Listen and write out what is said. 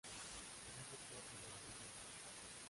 Es de Propiedad Privada.